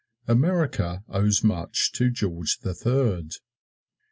America owes much to George the Third.